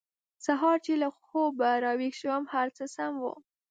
سهار چې له خوبه راویښ شوم هر څه سم وو